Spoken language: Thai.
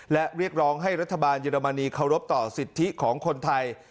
และเรียกร้องให้รัฐบาลเยอรมนีเคารพต่อสิทธิของคนไทย